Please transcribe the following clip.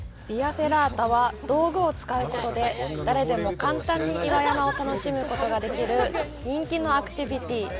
フェラータは道具を使うことで誰でも簡単に岩山を楽しむことができる人気のアクティビティ。